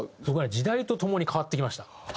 僕はね時代とともに変わってきました。